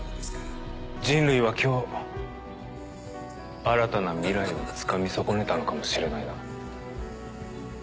人類は今日新たな未来をつかみ損ねたのかもしれないな。